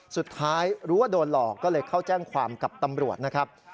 สุดท้ายรู้ว่าโดนหลอกก็เลยเข้าแจ้งความกับตำรวจนะครับ